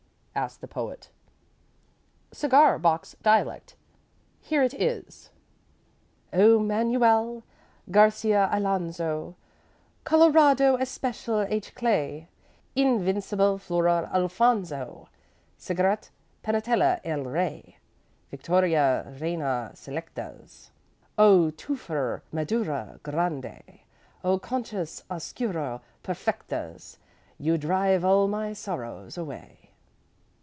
asked the Poet. "Cigar box dialect. Here it is: "'O Manuel garcia alonzo, Colorado especial H. Clay, Invincible flora alphonzo, Cigarette panatella el rey, Victoria Reina selectas O twofer madura grandé O conchas oscuro perfectas, You drive all my sorrows away.'"